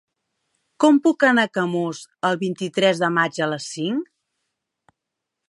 Com puc anar a Camós el vint-i-tres de maig a les cinc?